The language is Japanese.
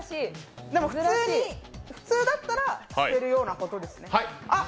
でも普通だったら、してるようなことですね。